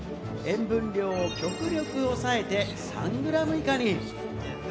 塩分量を極限まで抑えて３グラム以下に。